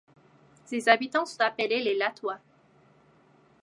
Ses habitants sont appelés les Latois.